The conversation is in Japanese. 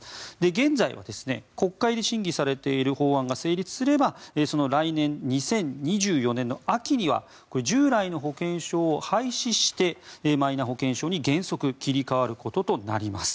現在は、国会で審議されている法案が成立すれば来年２０２４年の秋には従来の保険証を廃止してマイナ保険証に原則切り替わることとなります。